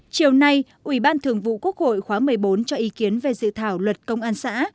chiều nay ủy ban thường vụ quốc hội khóa một mươi bốn cho ý kiến về dự thảo luật công an xã